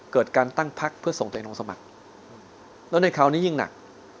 เกิดการตั้งพักเพื่อส่งตัวเองลงสมัครแล้วในคราวนี้ยิ่งหนัก